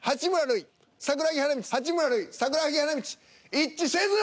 一致せず！